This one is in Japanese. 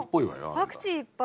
パクチーいっぱい。